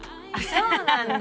そうなんだ。